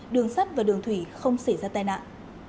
đường sắt và đường thủy không xảy ra tai nạn